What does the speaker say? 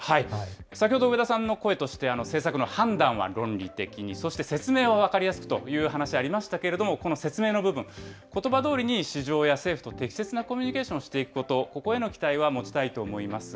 先ほど植田さんの声として、政策の判断は論理的に、そして説明は分かりやすくという話ありましたけれども、この説明の部分、ことばどおりに市場や政府と適切なコミュニケーションをしていくこと、ここへの期待は持ちたいと思います。